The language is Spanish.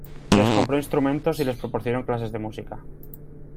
Les compró instrumentos y les proporcionó clases de música.